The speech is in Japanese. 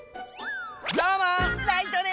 どうもライトです！